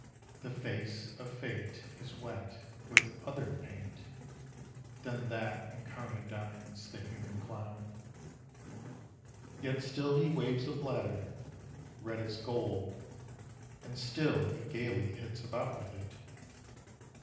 The t.i. <■ of Fate is wet with other paint Than that incarnadines the human clown: Yel till I a bladder, red as •. And still he gaily bits about with it.